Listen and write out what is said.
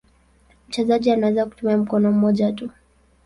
Mchezaji anaweza kutumia mkono mmoja tu.